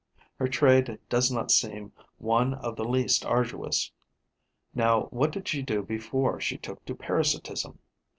Her trade does not seem one of the least arduous. Now what did she do before she took to parasitism?